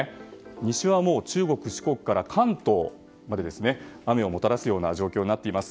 西は中国、四国から関東まで雨をもたらす状態になっています。